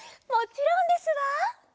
もちろんですわ。